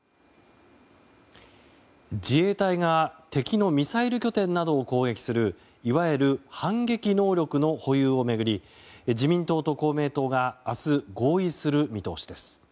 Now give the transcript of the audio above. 自衛隊が敵のミサイル拠点などを攻撃するいわゆる反撃能力の保有を巡り自民党と公明党が明日、合意する見通しです。